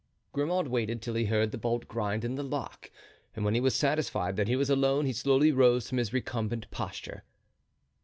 Grimaud waited till he heard the bolt grind in the lock and when he was satisfied that he was alone he slowly rose from his recumbent posture.